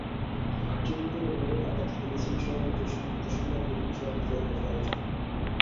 Team হোটেলের লবির আড্ডা থেকে বিসিবি সভাপতির সংক্ষিপ্ত সংবাদ ব্রিফিং—সর্বত্রই একই আলোচনা।